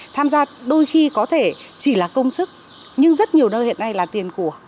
tham gia đôi khi có thể chỉ là công sức nhưng rất nhiều nơi hiện nay là tiền của